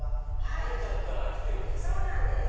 ハルちゃんからきてるんですね。